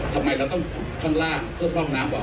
ทำไมเราต้องขึ้นข้างล่างเพื่อพร่องน้ำบอก